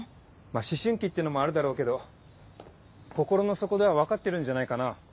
まぁ思春期ってのもあるだろうけど心の底では分かってるんじゃないかな。